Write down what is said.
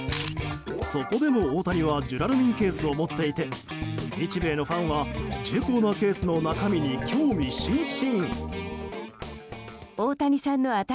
そこでも大谷はジュラルミンケースを持っていて日米のファンは重厚なケースの中身に興味津々。